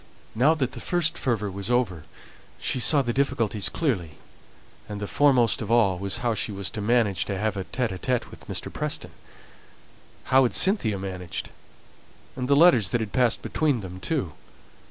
Now that the first fervour was over, she saw the difficulties clearly; and the foremost of all was how she was to manage to have an interview with Mr. Preston. How had Cynthia managed? and the letters that had passed between them too?